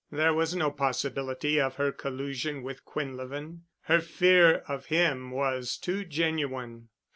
There was no possibility of her collusion with Quinlevin. Her fear of him was too genuine.